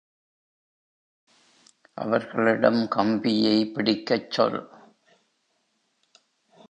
அவர்களிடம் கம்பியை பிடிக்கச் சொல்.